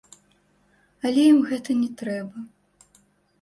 Але ім гэта не трэба.